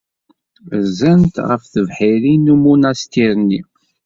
Rzant ɣef tebḥirin n umunastir-nni.